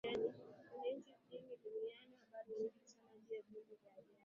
Kwenye nchi nyingi duniani kulikuwa na habari nyingi Sana juu ya viumbe vya ajabu